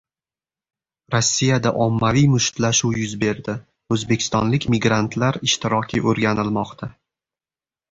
Rossiyada ommaviy mushtlashuv yuz berdi: o‘zbekistonlik migrantlar ishtiroki o‘rganilmoqda